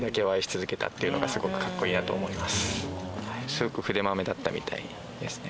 すごく筆まめだったみたいですね。